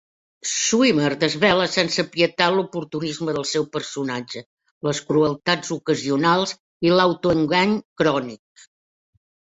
Schwimmer desvela sense pietat l'oportunisme del seu personatge, les crueltats ocasionals i l'autoengany crònic.